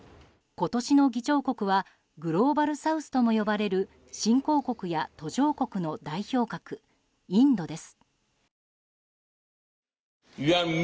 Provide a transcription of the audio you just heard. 今年の議長国はグローバル・サウスとも呼ばれる新興国や途上国の代表格インドです。